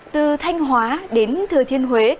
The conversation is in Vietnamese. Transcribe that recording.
từ thanh hóa đến thừa thiên huế